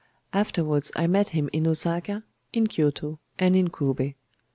Afterwards I met him in Ōsaka, in Kyōto, and in Kobé.